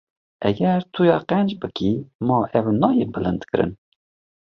Eger tu ya qenc bikî, ma ew nayê bilindkirin?